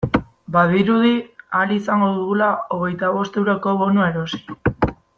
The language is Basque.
Badirudi ahal izango dugula hogeita bost euroko bonua erosi.